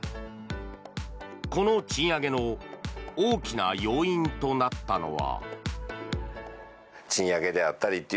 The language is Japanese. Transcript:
この賃上げの大きな要因となったのは。